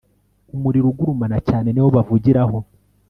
umuriro ugurumana cyane, niwo bavugiraho